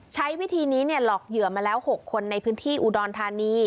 ใช้วิธีนี้หลอกเหยื่อมาแล้ว๖คนในพื้นที่อุดรธานี